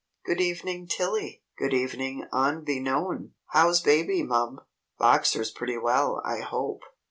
Good evening, Tilly! Good evening, unbeknown! How's baby, mum? Boxer's pretty well, I hope?"